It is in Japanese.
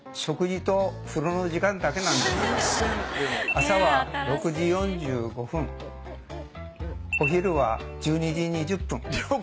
朝は６時４５分お昼は１２時２０分。